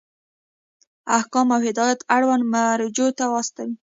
احکام او هدایات اړونده مرجعو ته واستوئ.